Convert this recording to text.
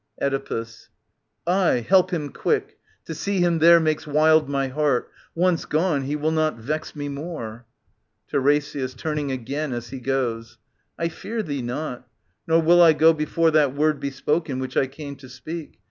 Oedipus. Aye, help him quick. — To see him there makes wild My heart. Once gone, he will not vex me more. TiRESIAS {turning again as he goes), I fear thee not ; nor will I go before That word be spoken which I came to speak.